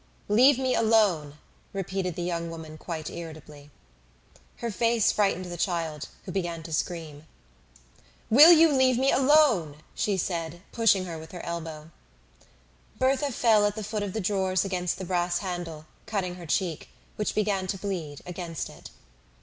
"Leave me alone," repeated the young woman quite irritably. Her face frightened the child, who began to scream. "Will you leave me alone?" she said, pushing her with her elbow. Berthe fell at the foot of the drawers against the brass handle, cutting her cheek, which began to bleed, against it.